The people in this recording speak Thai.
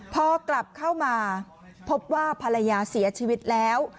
พอกลับเข้ามาพบว่าภรรยาเสียชีวิตแล้ว